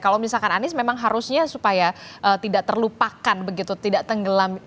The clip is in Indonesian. kalau misalkan anies memang harusnya supaya tidak terlupakan begitu tidak tenggelam